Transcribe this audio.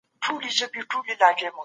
د نرمغالي مابينځ کي مي خپلي خوني وکتلې.